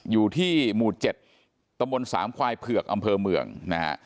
อยู่ที่หมู่๗ตำบลสามควายเผือกอำเภอเมืองนะฮะ